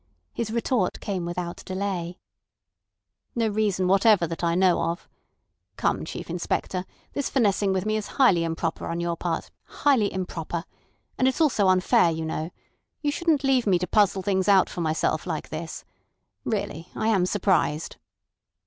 His retort came without delay. "No reason whatever that I know of. Come, Chief Inspector, this finessing with me is highly improper on your part—highly improper. And it's also unfair, you know. You shouldn't leave me to puzzle things out for myself like this. Really, I am surprised."